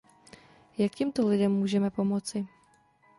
Jak těmto lidem můžeme pomoci?